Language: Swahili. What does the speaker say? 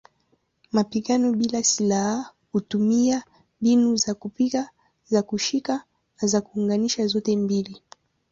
Mapigano bila silaha hutumia mbinu za kupiga, za kushika na za kuunganisha zote mbili.